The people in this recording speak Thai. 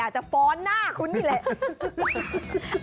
อยากจะฟ้อนหน้าคุณนี่ละ